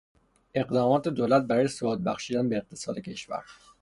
اقدامات دولت برای ثبات بخشیدن به اقتصاد کشور